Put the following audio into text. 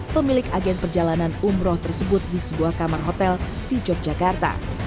pemilik agen perjalanan umroh tersebut di sebuah kamar hotel di yogyakarta